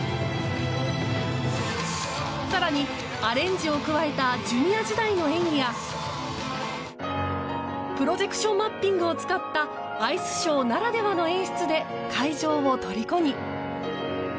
更に、アレンジを加えたジュニア時代の演技やプロジェクションマッピングを使ったアイスショーならではの演出で会場をとりこに。